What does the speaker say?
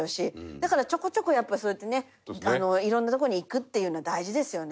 だからちょこちょこやっぱそうやってね色んなとこに行くっていうの大事ですよね。